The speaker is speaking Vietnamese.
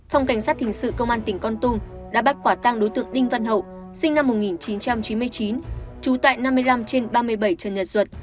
phòng cảnh sát hình sự công an tỉnh con tum đã bắt quả tang đối tượng đinh văn hậu sinh năm một nghìn chín trăm chín mươi chín trú tại năm mươi năm trên ba mươi bảy trần nhật duật